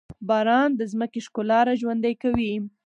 باران د ځمکې ښکلا راژوندي کوي.